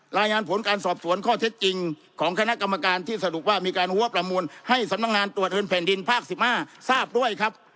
รายงานผลการสอบสวนข้อเท็จจริงของคณะกรรมการที่สรุปว่ามีการหัวประมูลให้สำนักงานตรวจเงินแผ่นดินภาค๑๕ทราบด้วยครับ